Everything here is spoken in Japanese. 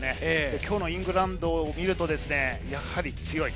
きょうのイングランドを見ると、やはり強い。